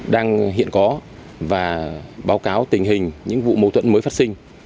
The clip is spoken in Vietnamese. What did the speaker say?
đang hiện có và báo cáo tình hình những vụ mâu thuẫn mới phát sinh